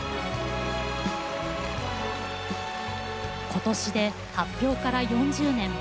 今年で発表から４０年。